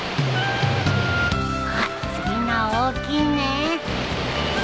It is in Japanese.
あっ次のは大きいね。